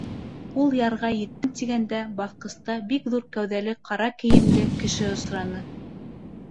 Ул ярға еттем тигәндә, баҫҡыста бер ҙур кәүҙәле ҡара кейемле кеше осраны.